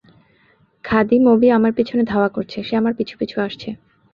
খাদি, মবি আমার পিছনে ধাওয়া করছে, সে আমার পিছু পিছু আসছে।